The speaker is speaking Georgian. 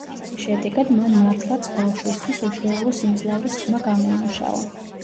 შედეგად, მან მართლაც ბავშვისთვის უჩვეულო სიმძლავრის ხმა გამოიმუშავა.